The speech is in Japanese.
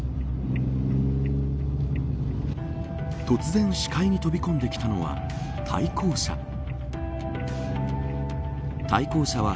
突然、視界に飛び込んできたのは対向車。